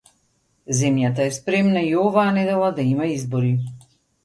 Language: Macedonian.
Земјата е спремна и оваа недела да има избори